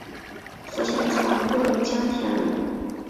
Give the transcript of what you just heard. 福建长乐江田人。